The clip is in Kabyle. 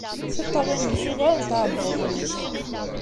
Tiṭṭawin-nnek ugarent aɛebbuḍ-nnek.